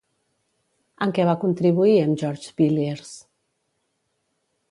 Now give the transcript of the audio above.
En què va contribuir amb George Villiers?